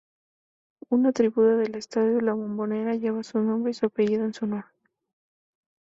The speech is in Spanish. Una tribuna del estadio La Bombonera lleva su nombre y apellido en su honor.